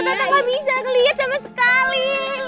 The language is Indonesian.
karena gak bisa ngeliat sama sekali